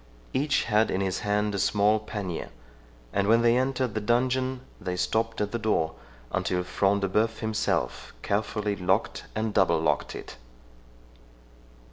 Each had in his hand a small pannier; and, when they entered the dungeon, they stopt at the door until Front de Bœuf himself carefully locked and double locked it.